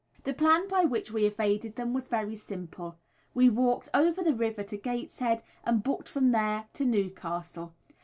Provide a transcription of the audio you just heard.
The plan by which we evaded them was very simple. We walked over the river to Gateshead, and booked from there to Newcastle.